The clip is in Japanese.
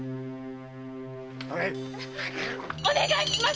お願いします！